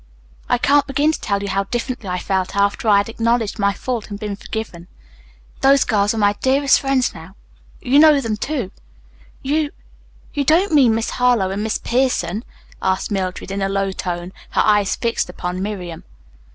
"I can't begin to tell you how differently I felt after I had acknowledged my fault and been forgiven. Those girls are my dearest friends now. You know them, too." "You you don't mean Miss Harlowe and Miss Pierson?" asked Mildred in a low tone, her eyes fixed upon Miriam.